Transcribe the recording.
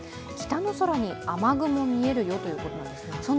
北の空に雨雲見えるよということなんですが？